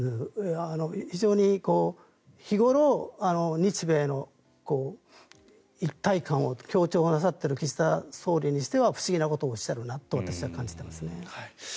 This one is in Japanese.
非常に日頃、日米の一体感を強調なさっている岸田総理にしては不思議なことをおっしゃるなと私は感じていますね。